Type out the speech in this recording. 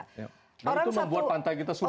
itu membuat pantai kita subur